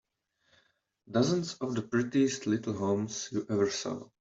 Dozens of the prettiest little homes you ever saw.